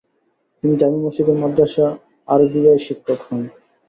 তিনি জামে মসজিদের মাদ্রাসা আরবিয়ায় শিক্ষক হন।